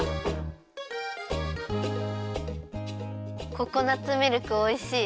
ココナツミルクおいしい。